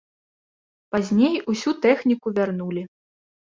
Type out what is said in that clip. Пазней усю тэхніку вярнулі.